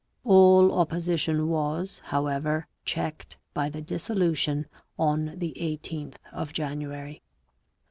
All opposition was, however, checked by the dissolution on the 18th of January.